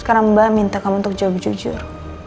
sekarang mbak minta kamu untuk jauh jujur